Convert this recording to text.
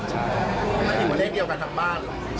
อยู่มาเลขเดียวกันทำบ้านเหรอ